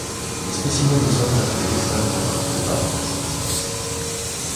Les spécimens de Santa Teresa n'appartiennent pas à cette espèce.